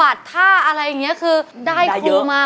ขอขอถามครั้งเดียวว่าใช่ใช่มั้ย